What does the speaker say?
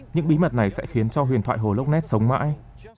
những bí mật này sẽ khiến cho huyền thoại hồ lop ness sống mãi